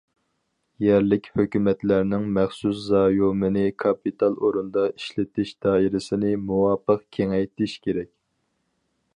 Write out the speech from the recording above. يەرلىك ھۆكۈمەتلەرنىڭ مەخسۇس زايومىنى كاپىتال ئورنىدا ئىشلىتىش دائىرىسىنى مۇۋاپىق كېڭەيتىش كېرەك.